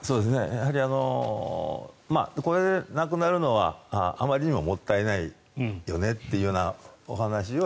やはりこれで亡くなるのはあまりにももったいないよねというお話を。